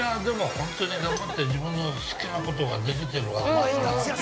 ◆本当に頑張って自分の好きなことができてるわけだから。